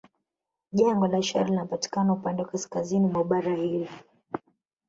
Jangwa la Shara linapatikana upande wa kaskazini mwa bara hili